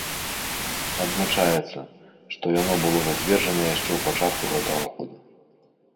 Адзначаецца, што яно было зацверджана яшчэ ў пачатку гэтага года.